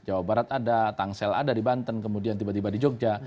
jawa barat ada tangsel ada di banten kemudian tiba tiba di jogja